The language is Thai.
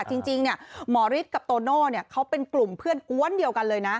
จริงหมอฤทธิ์กับโตโน่เขาเป็นกลุ่มเพื่อนกวนเดียวกันเลยนะ